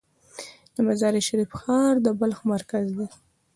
د مزار شریف ښار د بلخ مرکز دی